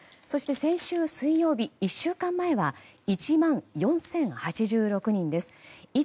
そして、先週水曜日１週間前は１万４０８６人です。